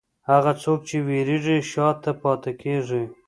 هغه څوک چې وېرېږي، شا ته پاتې کېږي.